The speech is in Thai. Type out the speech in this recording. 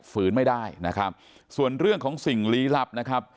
ไม่ได้นะครับส่วนเรื่องของสิ่งลี้ลับนะครับ